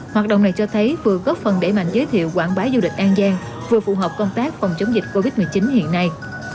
hoạt động này cho thấy vừa góp phần để mạnh giới thiệu quảng bá du lịch an giang vừa phù hợp công tác phòng chống dịch covid một mươi chín hiện nay